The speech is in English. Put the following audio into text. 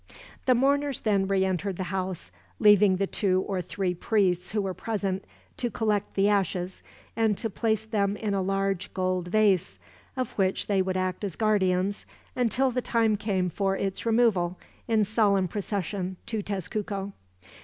The mourners then re entered the house, leaving the two or three priests who were present to collect the ashes, and to place them in a large gold vase; of which they would act as guardians, until the time came for its removal, in solemn procession, to Tezcuco.